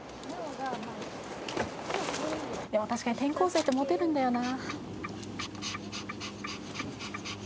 でも確かに転校生ってモテるんだよな。